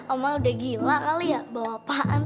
oma udah gila kali ya bawa apaan